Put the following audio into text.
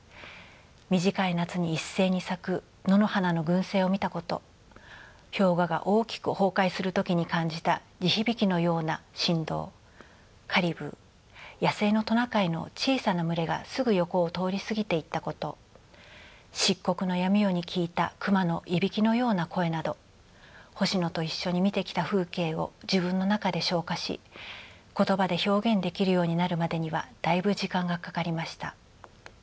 短い夏に一斉に咲く野の花の群生を見たこと氷河が大きく崩壊する時に感じた地響きのような震動カリブー野生のトナカイの小さな群れがすぐ横を通り過ぎていったこと漆黒の闇夜に聞いたクマのいびきのような声など星野と一緒に見てきた風景を自分の中で消化し言葉で表現できるようになるまでにはだいぶ時間がかかりました。